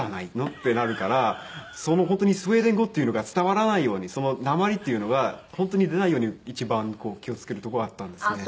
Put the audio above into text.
ってなるから本当にスウェーデン語っていうのが伝わらないようになまりっていうのが本当に出ないように一番気を付けるとこがあったんですね。